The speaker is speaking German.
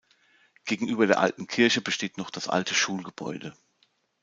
Gegenüber der alten Kirche besteht noch das alte Schulgebäude.